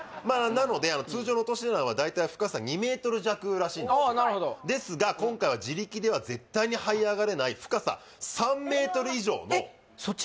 なので通常の落とし穴は大体深さ２ｍ弱らしいんですよですが今回は自力では絶対にはい上がれない深さ３ｍ以上のえっそっち？